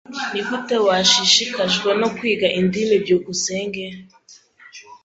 Nigute washishikajwe no kwiga indimi? byukusenge